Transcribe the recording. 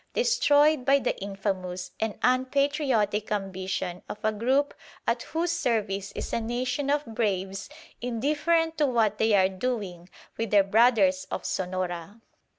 destroyed by the infamous and unpatriotic ambition of a group at whose service is a nation of braves indifferent to what they are doing with their brothers of Sonora."